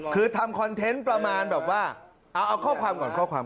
คือทำคอนเทนต์ประมาณแบบว่าเอาข้อความก่อนข้อความ